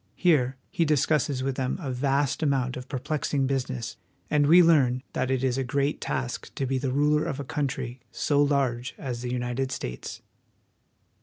Here he discusses with them a vast amount of perplexing business ; and we learn that it is a great task to be the ruler of a country so large as the United States.